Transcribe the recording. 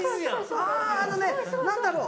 ああのね何だろう？